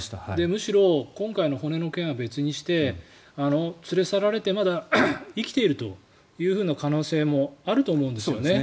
むしろ今回の骨の件は別にして連れ去られてまだ生きている可能性というのもあると思うんですよね。